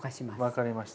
分かりました。